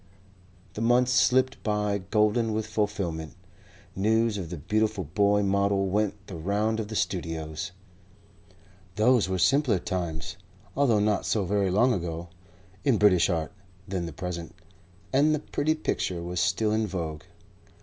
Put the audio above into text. The months slipped by golden with fulfilment. News of the beautiful boy model went the round of the studios. Those were simpler times (although not so very long ago) in British art than the present, and the pretty picture was still in vogue.